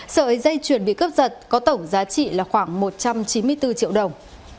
sợi dây chuyền bị cướp giật có tổng giá trị là khoảng một trăm chín mươi bốn triệu đồng